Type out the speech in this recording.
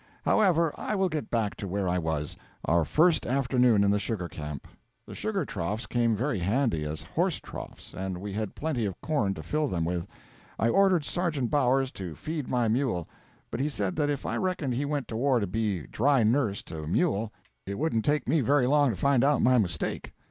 However, I will get back to where I was our first afternoon in the sugar camp. The sugar troughs came very handy as horse troughs, and we had plenty of corn to fill them with. I ordered Sergeant Bowers to feed my mule; but he said that if I reckoned he went to war to be dry nurse to a mule, it wouldn't take me very long to find out my mistake.